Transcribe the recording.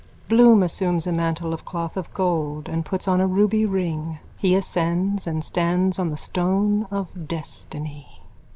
_(Bloom assumes a mantle of cloth of gold and puts on a ruby ring. He ascends and stands on the stone of destiny.